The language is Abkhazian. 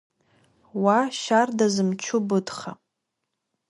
Уа, шьарда зымчу Быҭха!